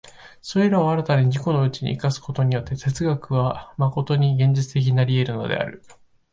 それらを新たに自己のうちに生かすことによって、哲学は真に現実的になり得るのである。